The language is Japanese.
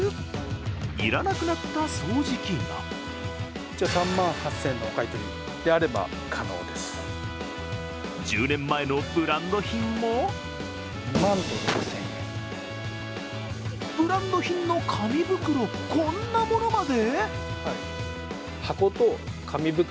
要らなくなった掃除機が１０年前のブランド品もブランド品の紙袋、こんなものまで？